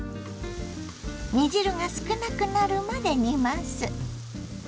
煮汁が少なくなるまで煮ます。